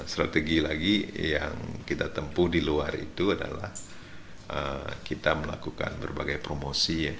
strategi lagi yang kita tempuh di luar itu adalah kita melakukan berbagai promosi ya